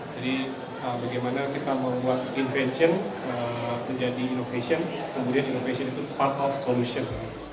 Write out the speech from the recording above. jadi bagaimana kita membuat invention menjadi innovation kemudian innovation itu part of solution